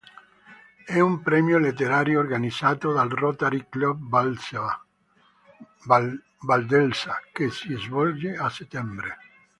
È un premio letterario, organizzato dal Rotary Club Valdelsa, che si svolge a settembre.